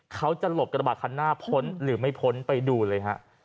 เขาจะหลบกระบาดคันหน้าพ้นหรือไม่พ้นไปดูเลยฮะ